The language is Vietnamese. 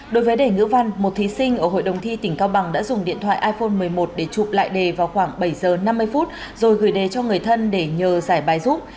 đối với đề ngữ văn một thí sinh ở hội đồng thi tỉnh cao bằng đã dùng điện thoại iphone một mươi một để chụp lại đề vào khoảng bảy giờ năm mươi phút rồi gửi đề cho người thân để nhờ giải bài giúp